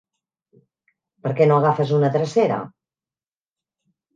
Per què no agafes una drecera?